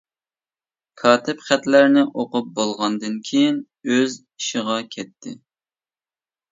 كاتىپ خەتلەرنى ئوقۇپ بولغاندىن كېيىن ئۆز ئىشىغا كەتتى.